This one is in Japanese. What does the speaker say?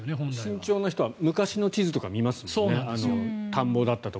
慎重な人は昔の地図とか見ますもんね。